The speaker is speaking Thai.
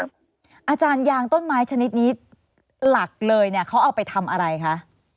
อเรนนี่อาจารยางต้นไม้ชนิดนี้หลักเลยเขาเอาไปทำอะไรคะ